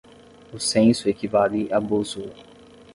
O censo equivale à bússola